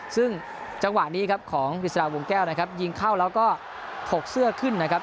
ซึ่งจังหวะนี้ครับของฤษฎาวงแก้วนะครับยิงเข้าแล้วก็ถกเสื้อขึ้นนะครับ